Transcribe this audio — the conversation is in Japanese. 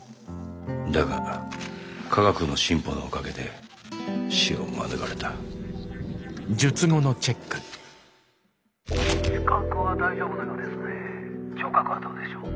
だが科学の進歩のおかげで死を免れた視覚は大丈夫のようですね。